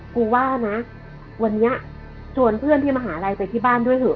กูว่านะวันนี้ชวนเพื่อนที่มหาลัยไปที่บ้านด้วยเถอ